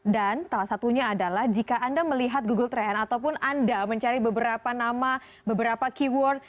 salah satunya adalah jika anda melihat google trend ataupun anda mencari beberapa nama beberapa keyword